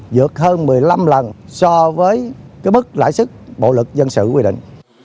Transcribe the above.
dược hơn một mươi năm lần so với cái bức lãi sức bộ lực dân sự quy định